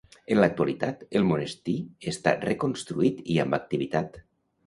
En l'actualitat, el monestir està reconstruït i amb activitat.